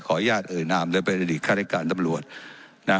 ขออนุญาตเอิญาณด้วยบริษัทธิการสำรวจนะ